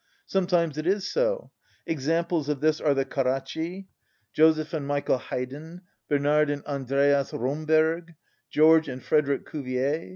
Sometimes it is so. Examples of this are the Carracci, Joseph and Michael Haydn, Bernard and Andreas Romberg, George and Frederic Cuvier.